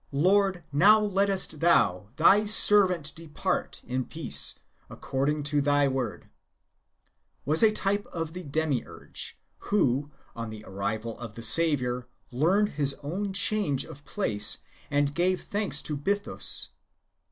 Lord, now lettest Thou Thy servant depart in peace, accord ing to Thy word," ^ was a type of the Demiurge, who, on the arrival of the Saviour, learned his own change of place, and gave thanks to Bythus.